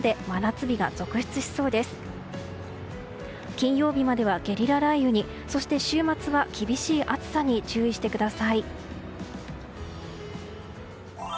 金曜日まではゲリラ雷雨にそして週末は厳しい暑さに注意してください。